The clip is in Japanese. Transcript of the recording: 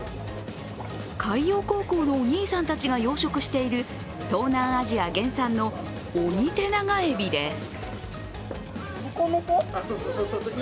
海洋高校のお兄さんたちが養殖している東南アジア原産のオニテナガエビです。